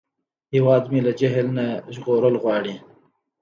هیواد مې له جهل نه ژغورل غواړي